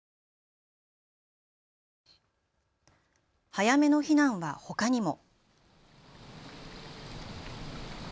早めの避難はほかにも。